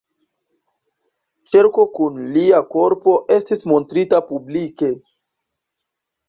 Ĉerko kun lia korpo estis montrita publike.